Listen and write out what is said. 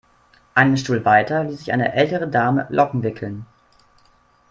Einen Stuhl weiter ließ sich eine ältere Dame Locken wickeln.